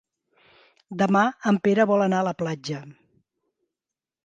Demà en Pere vol anar a la platja.